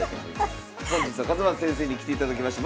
本日は勝又先生に来ていただきました。